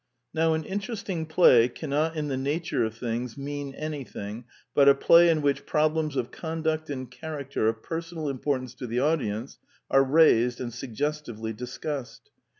Now an interesting play cannot in the nature of things mean anything but a play in which problems of conduct and character of personal importance to the audience are raised and sug gestively discussed.